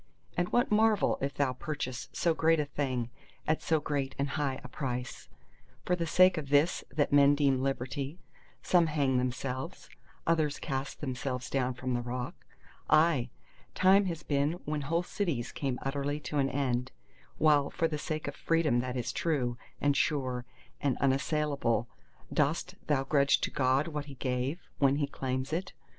And what marvel if thou purchase so great a thing at so great and high a price? For the sake of this that men deem liberty, some hang themselves, others cast themselves down from the rock; aye, time has been when whole cities came utterly to an end: while for the sake of Freedom that is true, and sure, and unassailable, dost thou grudge to God what He gave, when He claims it?